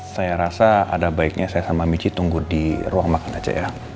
saya rasa ada baiknya saya sama michi tunggu di ruang makan aja ya